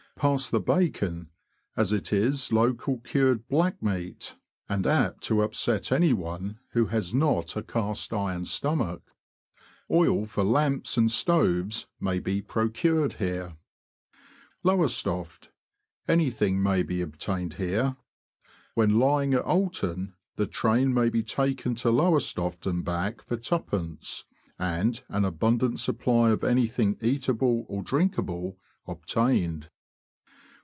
Pass the bacon, as it is local cured ''black meat," and apt to upset anyone who has not a cast iron stomach. Oil for lamps and stoves may be procured here. Lowestoft. — Anything may be obtained here. When lying at Oulton, the train may be taken to Lowestoft and back for twopence, and an abundant supply of anything eatable or drinkable obtained.